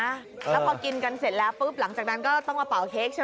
แล้วพอกินกันเสร็จแล้วปุ๊บหลังจากนั้นก็ต้องมาเป่าเค้กใช่ไหม